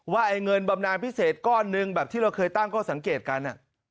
ไอ้เงินบำนานพิเศษก้อนหนึ่งแบบที่เราเคยตั้งข้อสังเกตกัน